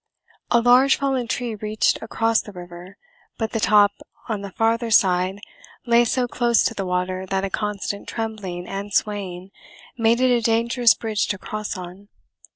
A large fallen tree reached across the river, but the top on the farther side lay so close to the water that a constant trembling and swaying made it a dangerous bridge to cross on.